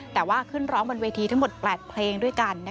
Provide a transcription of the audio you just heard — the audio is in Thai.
แต่ว่าขึ้นร้องบนเวทีทั้งหมด๘เพลงด้วยกัน